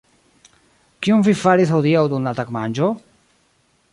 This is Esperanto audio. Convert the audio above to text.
Kion vi faris hodiaŭ dum la tagmanĝo?